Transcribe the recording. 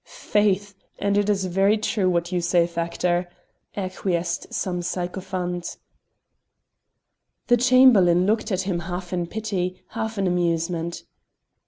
"Faith! and it's very true what you say, Factor," acquiesced some sycophant. The Chamberlain looked at him half in pity, half in amusement.